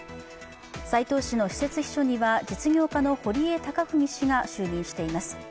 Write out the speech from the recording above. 斉藤氏の私設秘書には実業家の堀江貴文氏が就任しています。